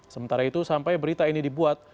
sementara itu sampai berita ini dibuat